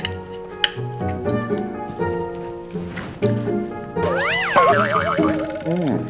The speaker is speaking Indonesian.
ngasih gue enak banget